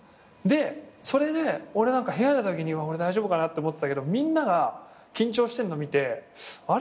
それで部屋出たときに俺大丈夫かなって思ってたけどみんなが緊張してるの見てあれ？